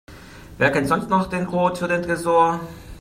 Wer kennt sonst noch den Code für den Tresor?